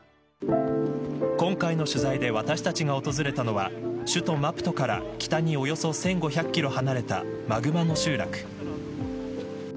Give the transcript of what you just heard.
今回の取材で私たちが訪れたのは首都マプトから北におよそ１５００キロ離れたマグマノ集落。